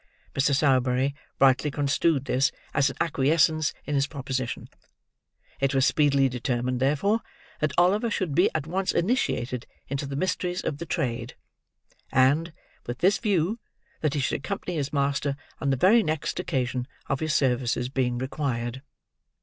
Mr. Sowerberry rightly construed this, as an acquiescence in his proposition; it was speedily determined, therefore, that Oliver should be at once initiated into the mysteries of the trade; and, with this view, that he should accompany his master on the very next occasion of his services being required.